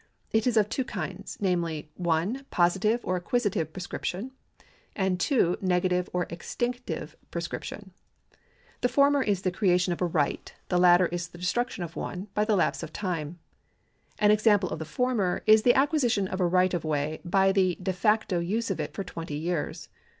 It is of two kinds, namely (1) positive or acquisitive prescription and (2) negative or extinctive prescription. The former is the creation of a right, the latter is the destruction of one, by the lapse of time. An example of the former is the acquisition of a right of way by the de facto use of it for twenty years.